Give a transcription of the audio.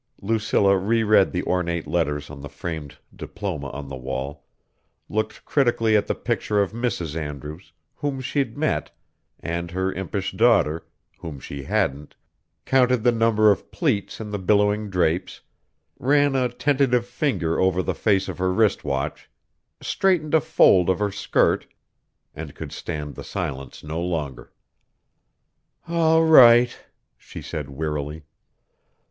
Lucilla reread the ornate letters on the framed diploma on the wall, looked critically at the picture of Mrs. Andrews whom she'd met and her impish daughter whom she hadn't counted the number of pleats in the billowing drapes, ran a tentative finger over the face of her wristwatch, straightened a fold of her skirt ... and could stand the silence no longer. "All right," she said wearily.